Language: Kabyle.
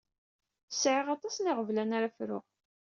Sɛiɣ aṭas n yiɣeblan ara fruɣ.